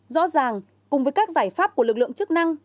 rõ ràng cùng với các giải pháp của lực lượng chức năng